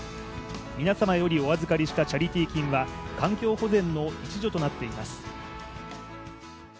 皆様よりお預かりしたチャリティー金は環境保全の一助となっています。